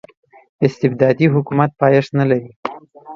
استبدادي حکومت پایښت نلري.